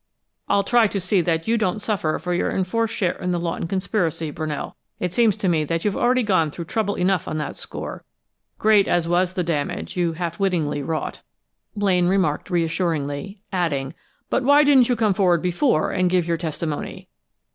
"I'll try to see that you don't suffer for your enforced share in the Lawton conspiracy, Brunell. It seems to me that you've already gone through trouble enough on that score, great as was the damage you half unwittingly wrought," Blaine remarked, reassuringly adding: "But why didn't you come forward before, and give your testimony?"